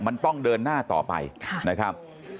มันต้องเดินหน้าต่อไปนะครับ